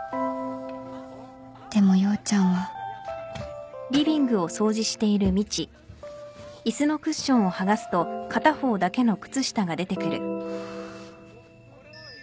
でも陽ちゃんはハァ。